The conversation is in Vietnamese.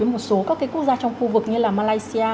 một số các quốc gia trong khu vực như là malaysia